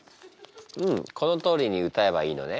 うんこのとおりに歌えばいいのね。